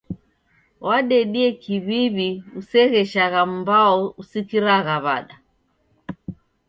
Wadedie kiw'iw'I usegheshagha mbao usikiragha w'ada.